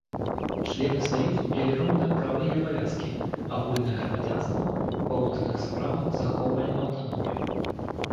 Члены саюзу мелі роўныя правы і абавязкі, агульнае грамадзянства, ва ўнутраных справах захоўвалі аўтаномію.